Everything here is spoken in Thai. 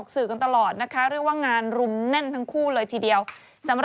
ชอบการถ่ายรุ่นค่ะนี้ค่ะ